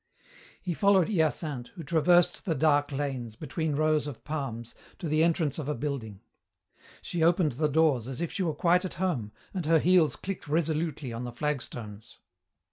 He followed Hyacinthe, who traversed the dark lanes, between rows of palms, to the entrance of a building. She opened the doors as if she were quite at home, and her heels clicked resolutely on the flagstones.